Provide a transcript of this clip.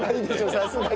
さすがに。